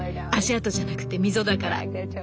足跡じゃなくて溝だから。